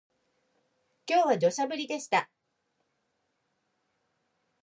今日は土砂降りでした